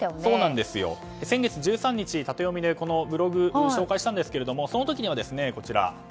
先月１３日、タテヨミでこのブログをご紹介したんですがその時にはこちら。